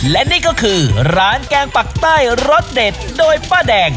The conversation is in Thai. และนี่ก็คือร้านแกงปักใต้รสเด็ดโดยป้าแดง